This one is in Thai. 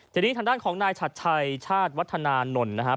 ทีนี้ทางด้านของนายชัดชัยชาติวัฒนานนท์นะครับ